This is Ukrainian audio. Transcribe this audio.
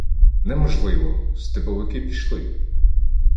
— Неможливо! Степовики пішли.